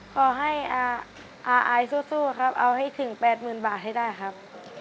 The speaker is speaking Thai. ขอให้อายสู้ครับเอาให้ถึง๘๐๐๐บาทให้ได้ครับ